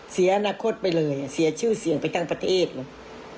เสียอนาคตไปเลยเสียชื่อเสียงไปทั้งประเทศเลย